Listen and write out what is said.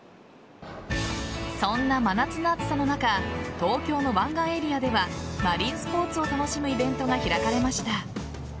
そんな真夏の暑さの中東京の湾岸エリアではマリンスポーツを楽しむイベントが開かれました。